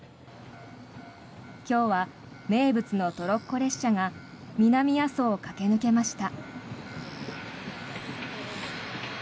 今日は名物のトロッコ列車が南阿蘇を駆け抜けました。